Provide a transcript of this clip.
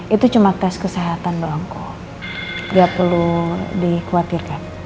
itu cuma tes kesehatan doang kok gak perlu dikhawatirkan